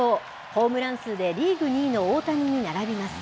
ホームラン数でリーグ２位の大谷に並びます。